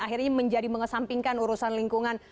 akhirnya menjadi mengesampingkan urusan lingkungan